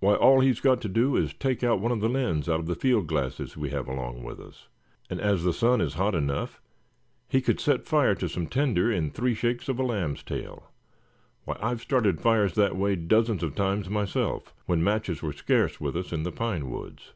"Why, all he's got to do is to take one of the lens out of the field glasses we have along with us; and as the sun is hot enough, he could set fire to some tinder in three shakes of a lamb's tail. Why, I've started fires that way dozens of times myself, when matches were scare with us in the pine woods."